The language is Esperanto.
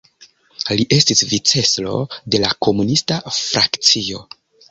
Li estis vicestro de la komunista frakcio.